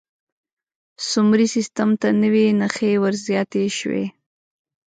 سومري سیستم ته نوې نښې ور زیاتې شوې.